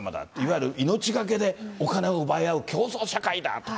いわゆる命懸けでお金を奪い合う競争社会だとか。